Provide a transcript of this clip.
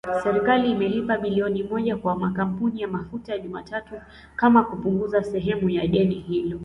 Serikali imelipa bilioni moja kwa makampuni ya mafuta Jumatatu kama kupunguza sehemu ya deni hilo